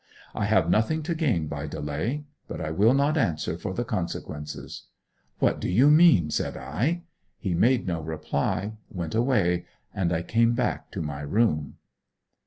I have nothing to gain by delay. But I will not answer for the consequences.' 'What do you mean?' said I. He made no reply, went away, and I came back to my room.